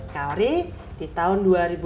kawari di tahun dua ribu sebelas